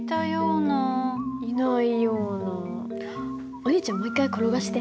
お兄ちゃんもう一回転がして。